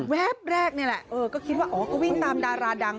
แป๊บแรกนี่แหละก็คิดว่าอ๋อก็วิ่งตามดาราดัง